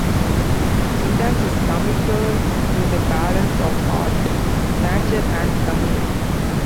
Sundance is committed to the balance of art, nature and community.